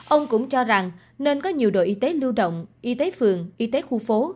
ông cũng cho rằng nên có nhiều đội y tế lưu động y tế phường y tế khu phố